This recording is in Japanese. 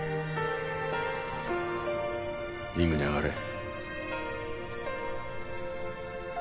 リングに上がれ。